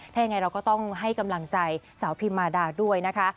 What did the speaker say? ถ้ายังไงเราก็ต้องให้กำลังใจสาวพิมมาดาด้วยนะคะ